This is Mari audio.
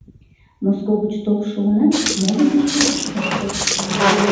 Моско гыч толшо унат моло деч почеш ыш код.